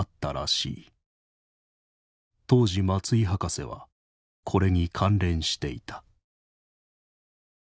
当時松井博士はこれに関連していた」。